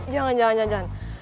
jangan jangan jangan